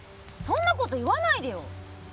そんなこと言わないでよ！